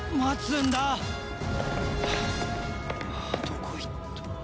どこ行った。